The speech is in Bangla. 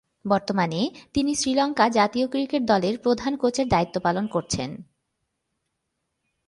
বর্তমানে তিনি শ্রীলঙ্কা জাতীয় ক্রিকেট দলের প্রধান কোচের দায়িত্ব পালন করছেন।